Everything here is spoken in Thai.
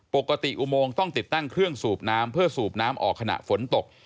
อุโมงต้องติดตั้งเครื่องสูบน้ำเพื่อสูบน้ำออกขณะฝนตก